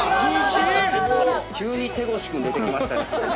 ◆急に手越君出てきましたね。